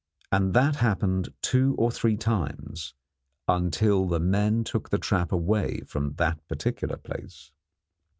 And that happened two or three times, until the men took the trap away from that particular place.